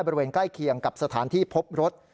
บริเวณใกล้เคียงกับสถานที่พบรถ